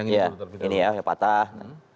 iya ini ya yang patah